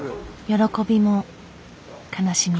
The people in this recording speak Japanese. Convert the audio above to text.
喜びも悲しみも。